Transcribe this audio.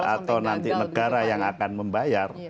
atau nanti negara yang akan membayar